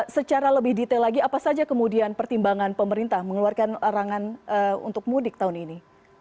secara lebih detail lagi apa saja kemudian pertimbangan pemerintah mengeluarkan larangan untuk mudik tahun ini